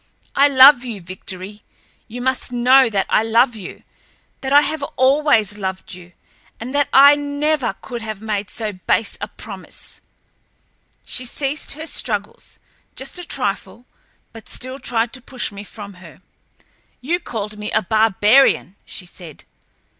"I love you, Victory. You must know that I love you—that I have always loved you, and that I never could have made so base a promise." She ceased her struggles, just a trifle, but still tried to push me from her. "You called me a barbarian!" she said.